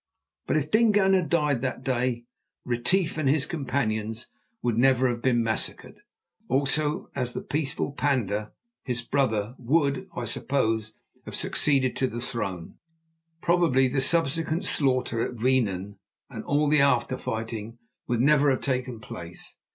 But if Dingaan had died that day, Retief and his companions would never have been massacred. Also as the peaceful Panda, his brother, would, I suppose, have succeeded to the throne, probably the subsequent slaughter at Weenen, and all the after fighting, would never have taken place.